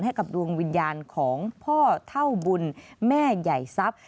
ให้กับดวงวิญญาณของพ่อเท่าบุญแม่ใหญ่ทรัพย์